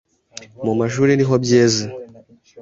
mu mashuli niho byeze